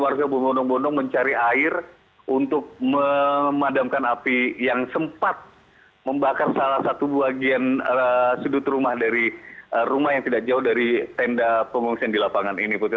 warga berbondong bondong mencari air untuk memadamkan api yang sempat membakar salah satu bagian sudut rumah dari rumah yang tidak jauh dari tenda pengungsian di lapangan ini putri